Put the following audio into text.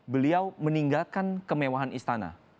beliau meninggalkan kemewahan istana